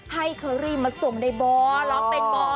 ให้เคอรี่มาส่งได้บ่ร้องเป็นบ่